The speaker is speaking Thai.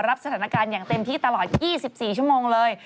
รับสถานการณ์อย่างเต็มที่ตลอด๒๔ชั่วโมงเลย